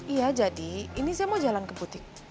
iya jadi ini saya mau jalan ke butik